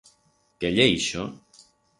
Qué ye ixo?